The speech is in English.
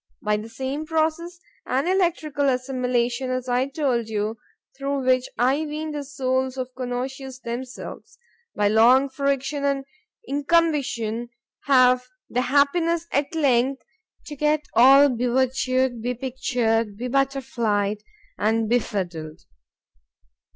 —by the same process and electrical assimilation, as I told you, through which I ween the souls of connoisseurs themselves, by long friction and incumbition, have the happiness, at length, to get all be virtu'd—be pictured,—be butterflied, and be fiddled.